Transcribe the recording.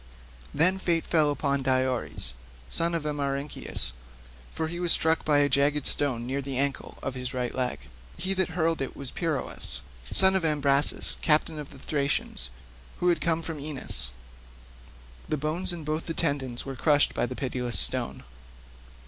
Then fate fell upon Diores, son of Amarynceus, for he was struck by a jagged stone near the ancle of his right leg. He that hurled it was Peirous, son of Imbrasus, captain of the Thracians, who had come from Aenus; the bones and both the tendons were crushed by the pitiless stone.